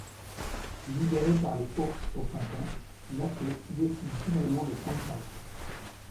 Libéré par les Hawks au printemps, Matte décide finalement de prendre sa retraite.